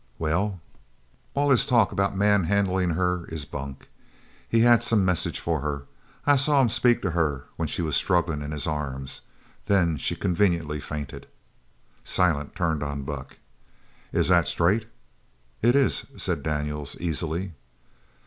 "Well?" "All his talk about manhandling her is bunk. He had some message for her. I saw him speak to her when she was struggling in his arms. Then she conveniently fainted." Silent turned on Buck. "Is that straight?" "It is," said Daniels easily.